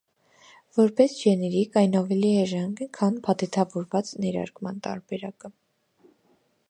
Որպես ջեներիկ այն ավելի էժան է քան փաթեթավորված ներարկման տարբերակը։